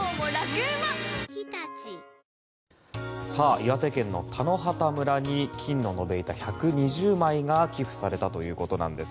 岩手県の田野畑村に金の延べ板１２０枚が寄付されたということなんです。